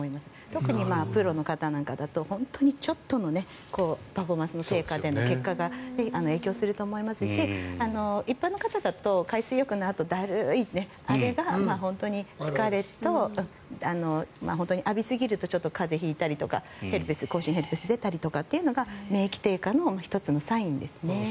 特にプロの方なんかだと本当にちょっとのパフォーマンスの低下でも結果が影響すると思いますし一般の方だと海水浴のあとだるいというのであればあれは本当に疲れと浴びすぎるとちょっと風邪を引いたりとか口唇ヘルペスが出たりとかというのが免疫低下の１つのサインですね。